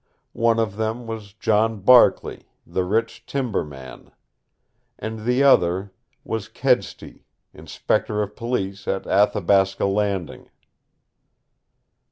One of them was John Barkley, the rich timber man, and the other was Kedsty, Inspector of Police at Athabasca Landing."